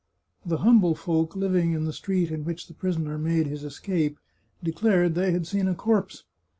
The humble folk living in the street in which the prisoner made his escape declared they had seen a corpse.